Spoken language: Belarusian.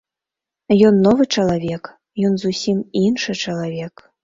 Ён новы чалавек, ён зусім іншы чалавек.